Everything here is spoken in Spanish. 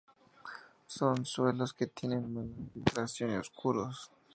Son suelos que tienen mala filtración y oscuros.